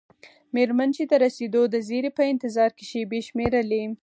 میرمن چې د رسیدو د زیري په انتظار کې شیبې شمیرلې.